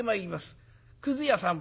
「くず屋さん」。